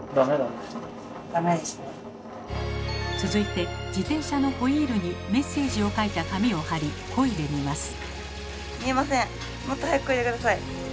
続いて自転車のホイールにメッセージを書いた紙を貼り漕いでみます。